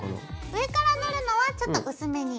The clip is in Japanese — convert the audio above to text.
上から塗るのはちょっと薄めに。